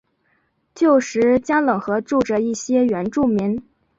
旧时加冷河住着一些原住民。